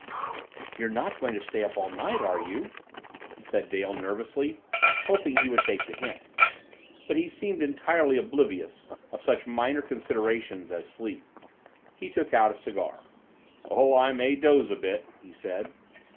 "You're not going to stay up all night, are you?" said Dale nervously, hoping he would take the hint. But he seemed entirely oblivious of such minor considerations as sleep. He took out a cigar. "Oh, I may doze a bit," he said.